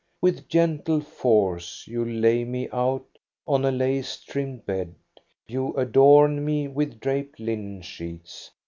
With gentle force you lay me out on a lace trimmed bed; you adorn me with draped linen sheets.